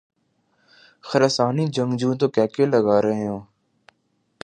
خراسانی جنگجو تو قہقہے لگارہے ہوں۔